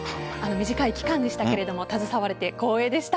短い期間でしたが携われて光栄でした。